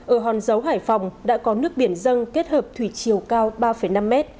ở hòn giấu hải phòng đã có nước biển dân kết hợp thủy chiều cao ba năm m